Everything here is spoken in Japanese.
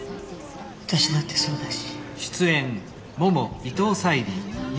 私だってそうだし。